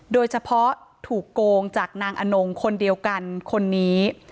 โดยเฉพาะถูกโกงจากนางอนงคนเดียวกันคนนี้